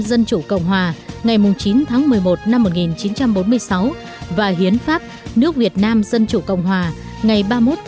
dân chủ cộng hòa ngày chín một mươi một một nghìn chín trăm bốn mươi sáu và hiến pháp nước việt nam dân chủ cộng hòa ngày ba mươi một một mươi hai một nghìn chín trăm năm mươi chín